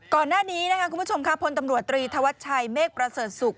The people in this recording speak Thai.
ก่อนหน้านี้คุณผู้ชมพลตำรวจตรีธวัตชัยเมฆประเสริฐสุข